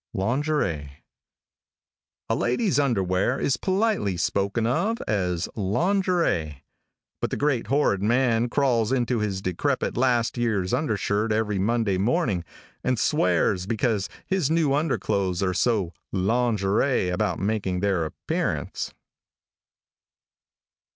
LINGERIE. |A LADY'S underwear is politely spoken of as "lingerie," but the great horrid man crawls into his decrepit last year's undershirt every Monday morning, and swears because his new underclothes are so "lingerie" about making their appearance.